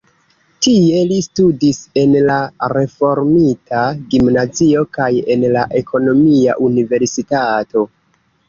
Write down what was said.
Tie li studis en la reformita gimnazio kaj en la ekonomia universitato.